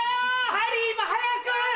ハリーも早く！